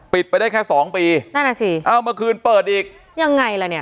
ไปได้แค่สองปีนั่นอ่ะสิเอ้าเมื่อคืนเปิดอีกยังไงล่ะเนี่ย